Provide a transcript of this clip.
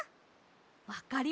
わかりました。